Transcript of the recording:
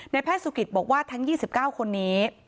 แพทย์สุกิตบอกว่าทั้ง๒๙คนนี้